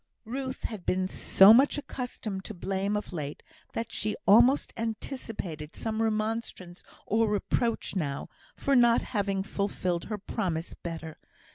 Ruth had been so much accustomed to blame of late, that she almost anticipated some remonstrance or reproach now, for not having fulfilled her promise better.